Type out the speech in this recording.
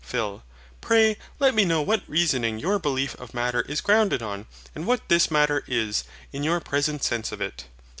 PHIL. Pray let me know what reasoning your belief of Matter is grounded on; and what this Matter is, in your present sense of it.